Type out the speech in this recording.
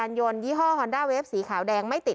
อัศวินธรรมชาติ